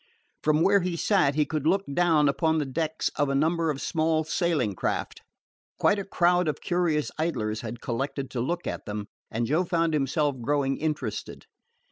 From where he sat he could look down upon the decks of a number of small sailing craft. Quite a crowd of curious idlers had collected to look at them, and Joe found himself growing interested.